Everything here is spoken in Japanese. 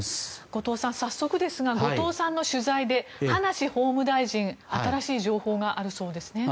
後藤さん、早速ですが後藤さんの取材で葉梨法務大臣新しい情報があるそうですね。